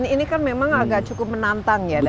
ini kan memang agak cukup menantang ya